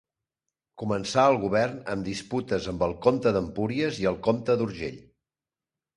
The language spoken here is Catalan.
Començà el govern amb disputes amb el comte d'Empúries i el comte d'Urgell.